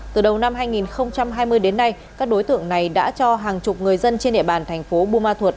từ đầu năm hai nghìn hai mươi đến nay các đối tượng này đã cho hàng chục người dân trên địa bàn thành phố bumathuot